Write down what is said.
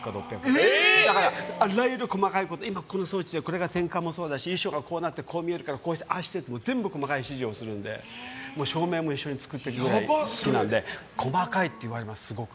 だからいろいろ細かいこと今この装置でこれが転換もそうだし衣装がこうなってこう見えるからああしてこうしてって全部細かい指示をするので照明も一緒に作っていくくらい好きなので細かいって言われます、すごく。